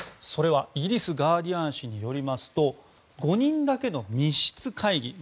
それはイギリスガーディアン紙によりますと５人だけの密室会議